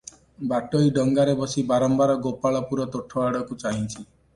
ବାଟୋଇ ଡଙ୍ଗାରେ ବସି ବାରମ୍ବାର ଗୋପାଳପୁର ତୋଠଆଡ଼କୁ ଚାହିଁଛି ।